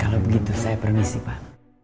kalau begitu saya permisi pak